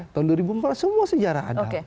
tahun dua ribu empat belas semua sejarah ada